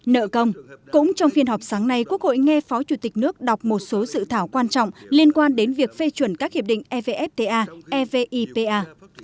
nợ công cũng trong phiên họp sáng nay quốc hội nghe phó chủ tịch nước đọc một số dự thảo quan trọng liên quan đến việc phê chuẩn các hiệp định evfta evipa